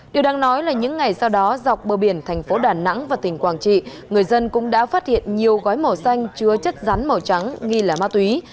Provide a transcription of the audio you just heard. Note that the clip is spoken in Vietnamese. điều đáng nói là những ngày sau đó dọc bờ biển thành phố đà nẵng và tỉnh quảng trị người dân cũng đã phát hiện nhiều gói màu xanh chứa chất rắn màu trắng nghi là ma túy